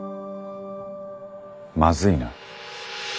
まずいな。